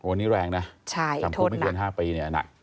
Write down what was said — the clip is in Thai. โอ้นี่แรงนะจำคุกไม่เกิน๕ปีนี่น่ะ